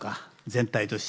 全体として。